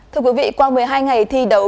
thưa quý vị qua một mươi hai ngày thi đấu